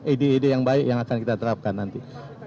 ide ide yang baik yang akan kita terapkan nanti